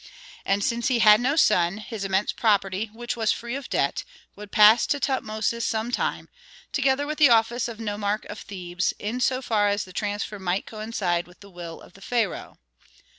And since he had no son, his immense property, which was free of debt, would pass to Tutmosis some time, together with the office of nomarch of Thebes, in so far as that transfer might coincide with the will of the pharaoh.